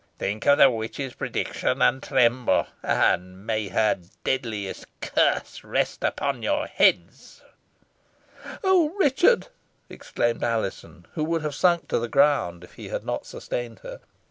Think of the witch's prediction and tremble, and may her deadliest curse rest upon your heads." "Oh, Richard!" exclaimed Alizon, who would have sunk to the ground if he had not sustained her.